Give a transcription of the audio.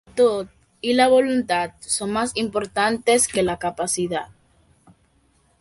La actitud y la voluntad son más importantes que la capacidad